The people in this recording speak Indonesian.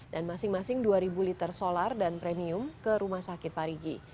dan masing masing dua liter solar dan premium ke rumah sakit parigi